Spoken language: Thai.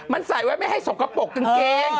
มันใส่ไว้ไม่ให้สกปรกกางเกง